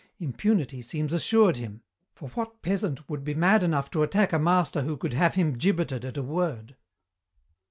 Impunity seems assured him, for what peasant would be mad enough to attack a master who could have him gibbeted at a word?